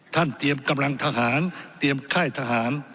เตรียมกำลังทหารเตรียมค่ายทหาร